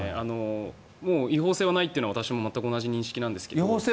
違法性がないというのは私も同じ認識なんですが。